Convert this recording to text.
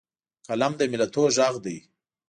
قلم د ملتونو غږ دی